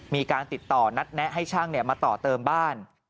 มีการติดต่อนัดแนะให้ช่างมาต่อเติมบ้าน